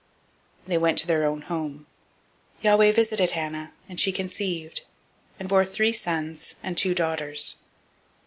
They went to their own home. 002:021 Yahweh visited Hannah, and she conceived, and bore three sons and two daughters.